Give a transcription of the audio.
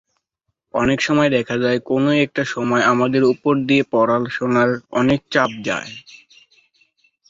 অনেক সময় দেখা যায়, কোনো একটা সময় আমাদের উপর দিয়ে পড়াশুনার অনেক চাপ যায়।